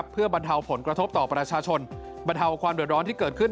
เพื่อบรรเทาผลกระทบต่อประชาชนบรรเทาความเดือดร้อนที่เกิดขึ้น